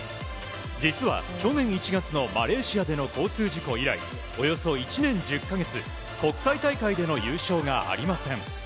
実は、去年１月のマレーシアでの交通事故以来およそ１年１０か月国際大会での優勝がありません。